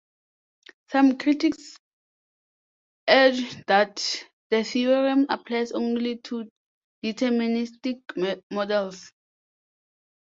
Some critics argue that the theorem applies only to deterministic models.